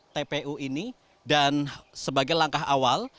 tpu ini dan sebagai langkah awal